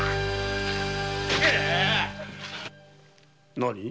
何？